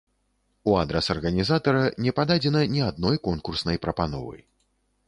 У адрас арганізатара не пададзена ні адной конкурснай прапановы.